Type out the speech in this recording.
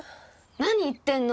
何言ってんの！